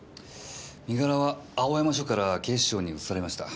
身柄は青山署から警視庁に移されました。